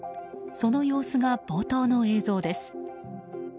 その様子が冒頭の映像です。